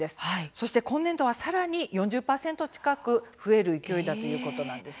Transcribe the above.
そして今年度はさらに４０％近く増える勢いだということなんです。